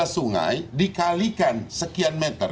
tiga belas sungai dikalikan sekian meter